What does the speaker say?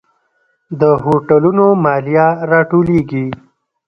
د هوټلونو مالیه راټولیږي؟